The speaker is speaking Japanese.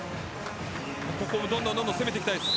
ここをどんどん攻めていきたいです。